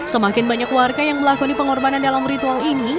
semakin banyak warga yang melakoni pengorbanan dalam ritual ini